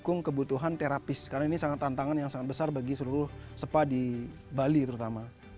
mendukung kebutuhan terapis karena ini sangat tantangan yang sangat besar bagi seluruh spa di bali terutama